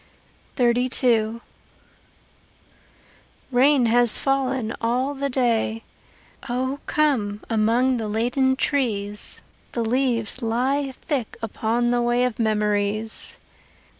XXXII Rain has fallen all the day. O come among the laden trees: The leaves lie thick upon the way Of memories.